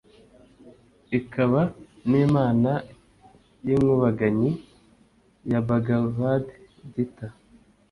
ikaba n’imana y’inkubaganyi ya bhagavad gita.